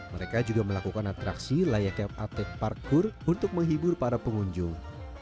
mereka juga melakukan atraksi layaknya atlet parkur untuk menghibur para pengunjung